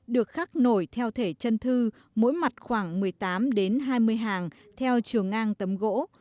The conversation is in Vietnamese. được khắc nổi theo thể chân thư mỗi mặt khoảng một mươi tám đến hai mươi hàng theo chiều ngang tấm gỗ